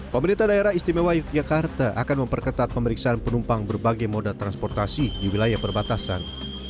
pemerintah daerah istimewa yogyakarta akan memperketat pemeriksaan penumpang berbagai moda transportasi di wilayah perbatasan